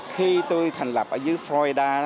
khi tôi thành lập ở dưới florida